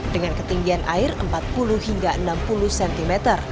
dengan ketinggian air empat puluh hingga enam puluh cm